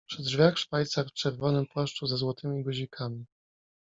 Przy drzwiach szwajcar w czerwonym płaszczu ze złotymi guzikami.